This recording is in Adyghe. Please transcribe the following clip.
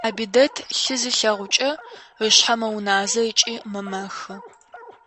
Абидэт лъы зилъэгъукӀэ ышъхьэ мэуназэ ыкӀи мэмэхы.